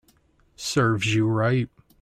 Serves you right